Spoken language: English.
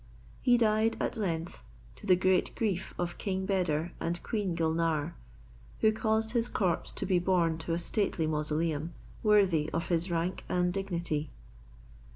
He died at length, to the great grief of King Beder and Queen Gulnare, who caused his corpse to be borne to a stately mausoleum, worthy of his rank and dignity.